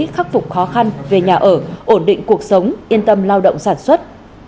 khắc phục khó khăn về nhà ở ổn định cuộc sống yên tâm lao động sản xuất